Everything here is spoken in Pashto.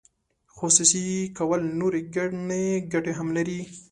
خصوصي کول نورې ګڼې ګټې هم لري.